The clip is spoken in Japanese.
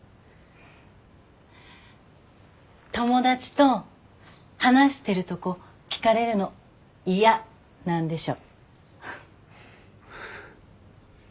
友達と話してるとこ聞かれるの嫌なんでしょ。